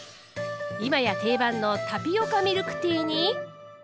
今や定番のタピオカミルクティーに。